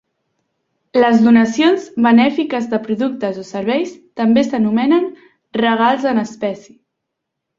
Les donacions benèfiques de productes o serveis també s'anomenen regals en espècie.